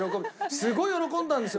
すごい喜んだんですよ